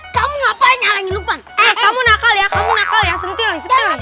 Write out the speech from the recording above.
kamu ngapain ala kehidupan kamu nakal ya kamu nakal ya sentil sentil